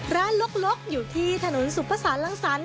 ลกอยู่ที่ถนนสุภาษาลังสรรค